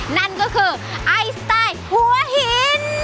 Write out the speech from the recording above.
นั่นก็คือไอสไตล์หัวหิน